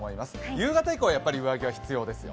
夕方以降はやっぱり上着は必要です。